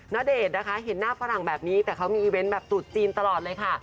ณเดชน์นะคะเห็นหน้าฝรั่งแบบนี้แต่เขามีอีเวนต์แบบตรุษจีนตลอดเลยค่ะ